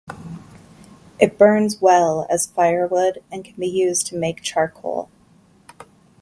It burns well as firewood and can be used to make charcoal.